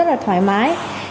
rất là thoải mái